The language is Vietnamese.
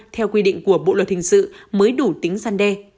theo quy định của bộ luật hình sự mới đủ tính gian đe